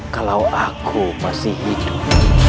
kalau aku masih hidup